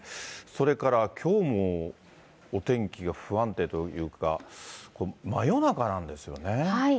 それからきょうも、お天気が不安定というか、真夜中なんですよね。